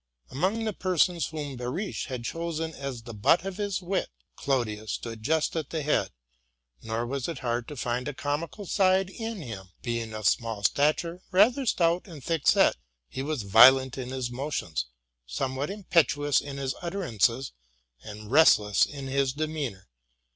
Among the persons whom Behrisch had chosen as the butts of his wit, Clodius stood just at the head; nor was it hard to find a comical side in him. Being of small stature, rather stout and thick set, he was violent in his motions, somewhat impetuous in his utterances, and restless in his demeanor.